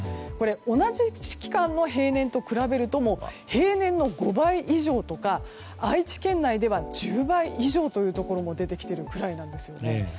同じ期間の平年と比べると平年の５倍以上とか愛知県内では１０倍以上というところも出てきているくらいなんです。